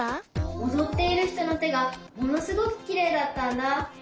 おどっているひとのてがものすごくきれいだったんだ。